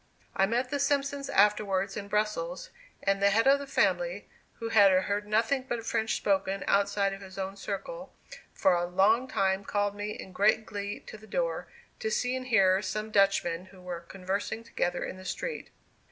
I met the Simpsons afterwards in Brussels, and the head of the family, who had heard nothing but French spoken, outside of his own circle, for a long time, called me in great glee to the door, to see and hear some Dutchmen, who were conversing together in the street.